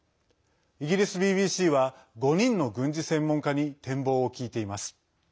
イギリスＢＢＣは、５人の軍事専門家に展望を聞いています。